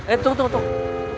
eh tunggu tunggu tunggu